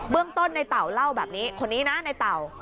เรื่องต้นในเต่าเล่าแบบนี้คนนี้นะในเต่า